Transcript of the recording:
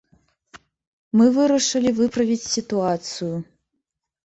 Мы вырашылі выправіць сітуацыю.